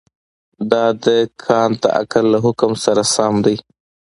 دا د کانټ د عقل له حکم سره سم دی.